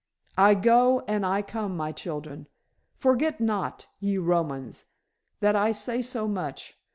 "I go and I come, my children. Forget not, ye Romans, that I say so much.